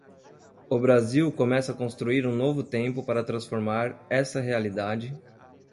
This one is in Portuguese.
O Brasil começa a construir um novo tempo para transformar essa realidade